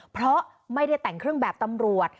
เพราะไม่ได้แต่งเครื่องแบบตำรวจ